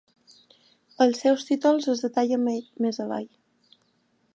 Els seus títols es detallen més avall.